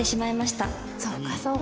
そうかそうか。